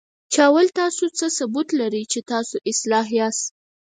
چې اول خو تاسو څه ثبوت لرئ، چې تاسو اصلاح یاست؟